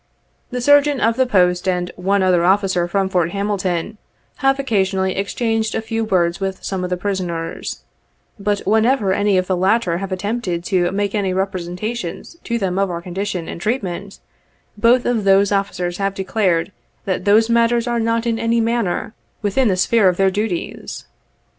The Surgeon of the post and one other officer from Fort Hamilton, have occasionally exchanged a few words with some of the prisoners, but whenever any of the latter have attempted to make any representations to them of our condition and treatment, both of those officers have declared that those matters are not in any manner, within the sphere of their duties.